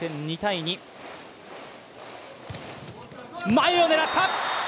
前を狙った！